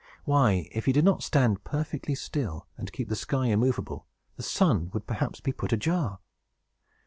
Why, if he did not stand perfectly still, and keep the sky immovable, the sun would perhaps be put ajar!